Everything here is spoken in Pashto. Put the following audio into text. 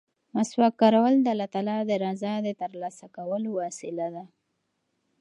مسواک کارول د الله تعالی د رضا د ترلاسه کولو وسیله ده.